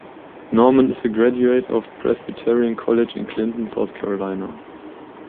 Norman is a graduate of Presbyterian College in Clinton, South Carolina.